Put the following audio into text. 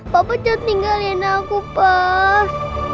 papa jangan tinggalin aku pas